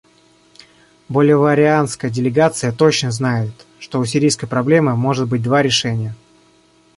Боливарианская делегация точно знает, что у сирийской проблемы может быть два решения.